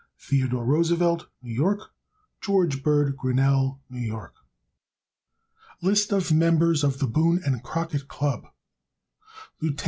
_ Theodore Roosevelt, New York. George Bird Grinnell, New York. List of Members of the Boone and Crockett Club * Deceased.